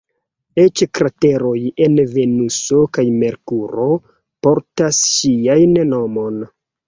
Eĉ krateroj en Venuso kaj Merkuro portas ŝian nomon.